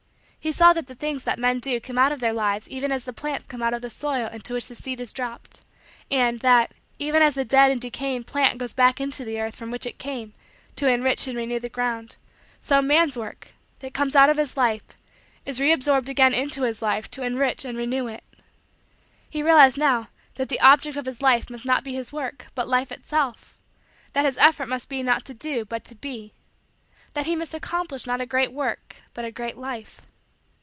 He saw that the things that men do come out of their lives even as the plants come out of the soil into which the seed is dropped; and, that, even as the dead and decaying plant goes back into the earth from which it came, to enrich and renew the ground, so man's work, that comes out of his life, is reabsorbed again into his life to enrich and renew it. He realized, now, that the object of his life must be not his work but Life itself that his effort must be not to do but to be that he must accomplish not a great work but a great Life.